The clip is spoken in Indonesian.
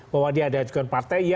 bahwa dia ada ajukan partai